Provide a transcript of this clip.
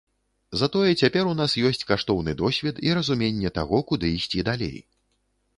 Затое цяпер у нас ёсць каштоўны досвед і разуменне таго, куды ісці далей.